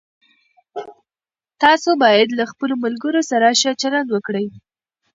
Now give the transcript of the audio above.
تاسو باید له خپلو ملګرو سره ښه چلند وکړئ.